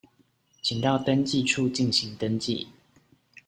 請到登記處進行登記